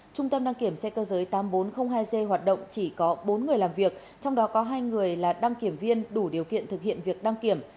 trung tâm đăng kiểm xe cơ giới tám nghìn bốn trăm linh hai g hoạt động chỉ có bốn người làm việc trong đó có hai người là đăng kiểm viên đủ điều kiện thực hiện việc đăng kiểm